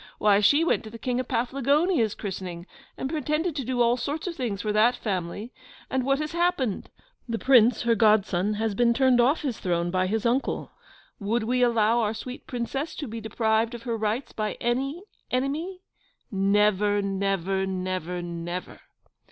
Why, she went to the King of Paflagonia's christening, and pretended to do all sorts of things for that family; and what has happened the Prince, her godson, has been turned off his throne by his uncle. Would we allow our sweet Princess to be deprived of her rights by any enemy? Never, never, never, never!